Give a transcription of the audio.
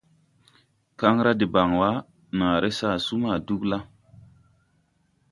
Kaŋ ra deban wa, naaré sasu ma Dugla.